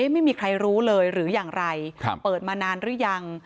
ไม่มีใครรู้เลยหรืออย่างไรเปิดมานานหรือยัง